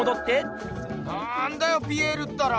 なんだよピエールったら。